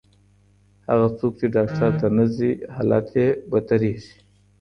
هغه څوک چې ډاکټر ته نه ځي، حالت یې بدتریږي.